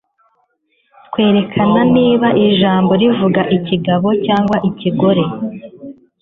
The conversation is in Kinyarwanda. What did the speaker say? twerekana niba ijambo rivuga ikigabo cyangwa ikigore